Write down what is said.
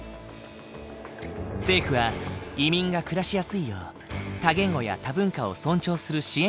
政府は移民が暮らしやすいよう多言語や多文化を尊重する支援を行ってきた。